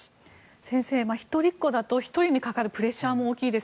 先生、一人っ子だと１人にかかるプレッシャーも大きいです。